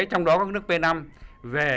trong đó có các nước p năm về vai trò của asean